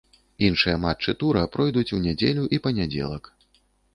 Іншыя матчы тура пройдуць у нядзелю і панядзелак.